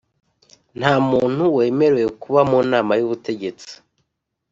Nta muntu wemerewe kuba mu nama y ubutegetsi